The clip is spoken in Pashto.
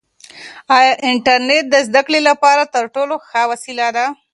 آیا انټرنیټ د زده کړې لپاره تر ټولو ښه وسیله ده؟